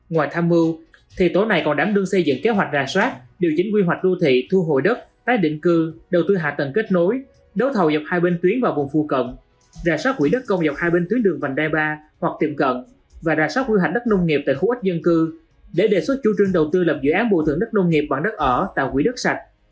ngoài tham mưu thị tố này còn đảm đương xây dựng kế hoạch rà soát điều chỉnh quy hoạch đô thị thua hội đất tác định cư đầu tư hạ tầng kết nối đấu thầu dọc hai bên tuyến và vùng phu cận rà soát quỹ đất công dọc hai bên tuyến đường vành đai ba hoặc tiệm cận và rà soát quy hoạch đất nông nghiệp tại khu ốc dân cư để đề xuất chư trưng đầu tư lập dự án bùa thượng đất nông nghiệp bản đất ở tạo quỹ đất sạch